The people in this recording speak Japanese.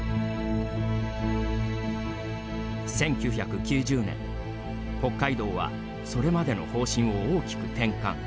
１９９０年、北海道はそれまでの方針を大きく転換。